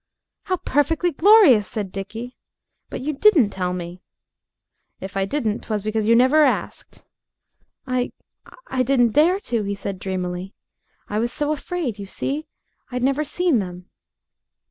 "How perfectly glorious!" said Dickie. "But you didn't tell me." "If I didn't 'twas because you never asked." "I I didn't dare to," he said dreamily; "I was so afraid. You see, I've never seen them."